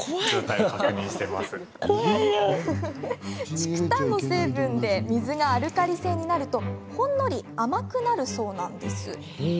竹炭の成分で水がアルカリ性になるとほんのり甘くなるそうなんです。